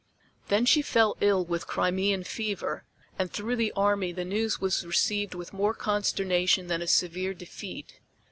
Then she fell ill with Crimean fever, and through the army the news was received with more consternation than a severe defeat.